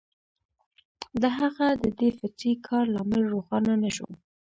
د هغه د دې فطري کار لامل روښانه نه شو